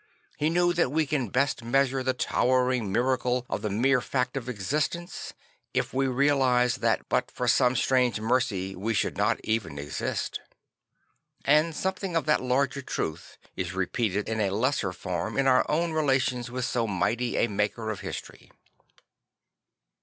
He knew that we can best measure the towering miracle of the mere fact of existence if we realise that but for some strange mercy we should not even exist. And something of that larger truth is repeated in a lesser form in our own relations with so mighty a maker of history.